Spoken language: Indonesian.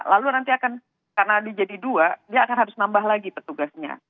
lalu nanti akan karena di jadi dua dia akan harus nambah lagi petugasnya